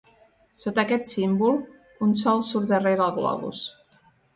Sota aquest símbol, un sol surt darrere el globus.